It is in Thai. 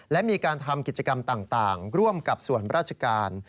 และมีการทำกิจกรรมต่างร่วมกับส่วนราชการ